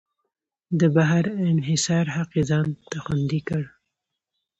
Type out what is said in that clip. د بهر انحصار حق یې ځان ته خوندي کړ.